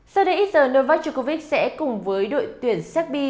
sau đây ít giờ novak djokovic sẽ cùng với đội tuyển seppi